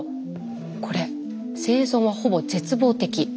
これ生存はほぼ絶望的。